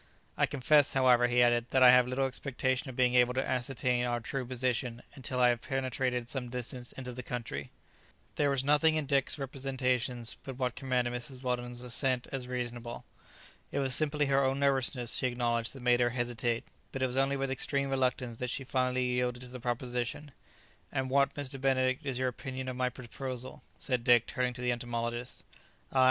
"I confess, however," he added, "that I have little expectation of being able to ascertain our true position, until I have penetrated some distance into the country." There was nothing in Dick's representations but what commanded Mrs. Weldon's assent as reasonable. It was simply her own nervousness, she acknowledged, that made her hesitate; but it was only with extreme reluctance that she finally yielded to the proposition. "And what, Mr. Benedict, is your opinion of my proposal?" said Dick, turning to the entomologist. "I?"